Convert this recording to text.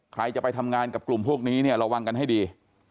ใครจะไปทำงานกับกลุ่มพวกนี้เนี่ยระวังกันให้ดี